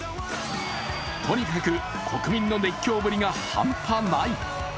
とにかく国民の熱狂ぶりが半端ない。